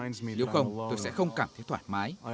nếu không tôi sẽ không cảm thấy thoải mái